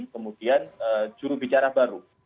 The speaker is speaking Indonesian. kemudian jurubicara baru